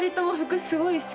おすごい。